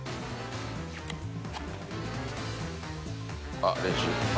あっ練習。